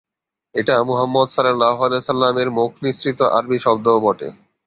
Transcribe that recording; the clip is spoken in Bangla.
এটা মুহাম্মদ এর মুখ নিঃসৃত আরবি শব্দও বটে।